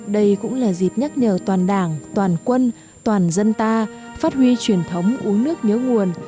đây cũng là dịp nhắc nhờ toàn đảng toàn quân toàn dân ta phát huy truyền thống uống nước nhớ nguồn